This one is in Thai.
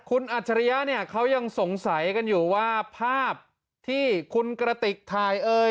คุณอัจฉริยะเนี่ยเขายังสงสัยกันอยู่ว่าภาพที่คุณกระติกถ่ายเอ่ย